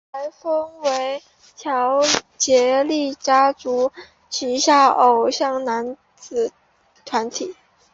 台风为乔杰立家族旗下偶像男子团体。